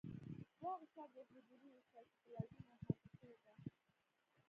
دا غشا د حجرې سایتوپلازم احاطه کړی دی.